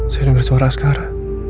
saya denger suara askara